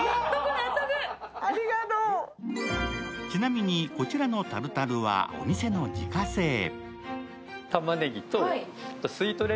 ちなみにこちらのタルタルはお店の自家製。